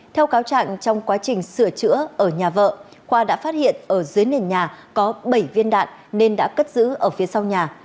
theo cáo trạng trong quá trình sửa chữa ở nhà vợ khoa đã phát hiện ở dưới nền nhà có bảy viên đạn nên đã cất giữ ở phía sau nhà